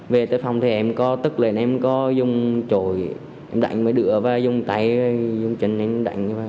về tới phòng thì em có tức lên em có dùng trổi em đánh với đựa và dùng tay dùng chân em đánh